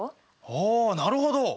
ああなるほど。